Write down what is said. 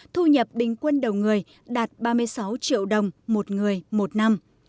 thu nhập bình quân đầu người đạt ba mươi sáu triệu đồng một người một năm